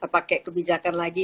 pakai kebijakan lagi